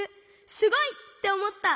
すごい！」っておもった！